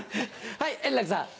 はい円楽さん。